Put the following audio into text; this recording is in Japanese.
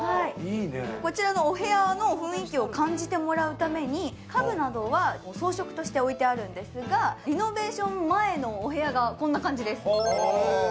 こちらのお部屋の雰囲気を感じてもらうために、家具などは装飾として置いてあるんですがリノベーション前のお部屋がこんな感じです。